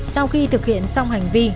sau khi thực hiện xong hành vi